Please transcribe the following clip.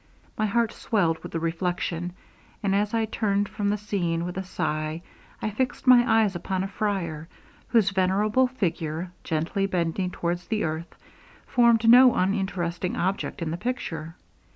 My heart swelled with the reflection; and, as I turned from the scene with a sigh, I fixed my eyes upon a friar, whose venerable figure, gently bending towards the earth, formed no uninteresting object in the picture.